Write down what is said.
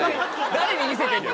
誰に見せてんの。